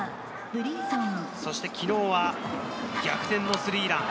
そして昨日は逆転のスリーラン。